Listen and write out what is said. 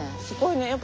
すごいね。